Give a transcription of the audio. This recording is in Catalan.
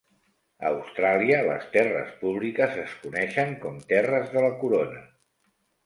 A Austràlia, les terres públiques es coneixen com Terres de la Corona.